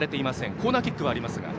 コーナーキックはありますが。